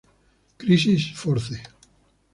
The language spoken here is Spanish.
Crisis Force